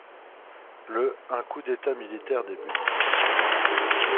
Le un coup d'État militaire débute.